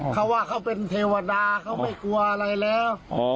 เขาว่าเขาเป็นเทวดาเขาไม่กลัวอะไรแล้ว